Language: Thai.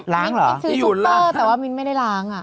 มิ้นซื้อซุปเปอร์แต่ว่ามิ้นไม่ได้ล้างอ่ะ